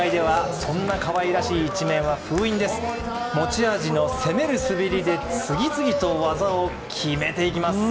持ち味の攻める滑りで次々と技を決めていきます。